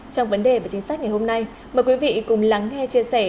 trong vấn đề và chính sách ngày hôm nay mời quý vị cùng lắng nghe chia sẻ